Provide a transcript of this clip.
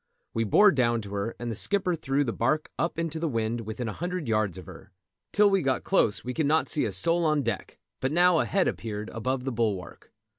We bore down to her, and the skipper threw the barque up into the wind within a hundred yards of her. Till we got close we could not see a soul on deck, but now a head appeared above the bulwark.